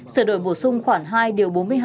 sửa đổi bổ sung khoản hai điều bốn mươi hai